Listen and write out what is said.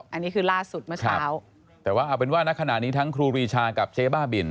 อันนี้คือล่าสุดเมื่อเช้าแต่ว่าเอาเป็นว่าณขณะนี้ทั้งครูปรีชากับเจ๊บ้าบิน